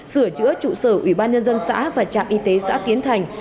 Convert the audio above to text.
sửa chữa chủ sở ủy ban nhân dân xã và trạm y tế xã tiến thành